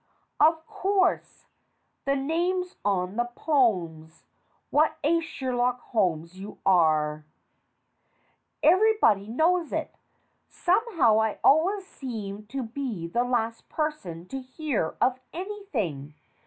Of course. The names on the poems. What a Sherlock Holmes you are! Everybody knows it! Somehow, I always seem to be the last person to hear of anything.